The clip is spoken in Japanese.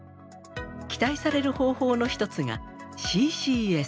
期待される方法の一つがＣＣＳ。